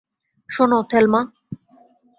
শোনো, থেলমা?